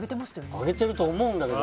あげてると思うんだけど。